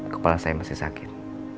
kepala saya masih sakit